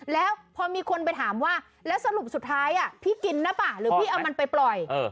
แล้วพอมีคนไปถามว่าแล้วสรุปสุดท้ายพี่กินหรือเปล่าหรือพี่เอามันไปปล่อย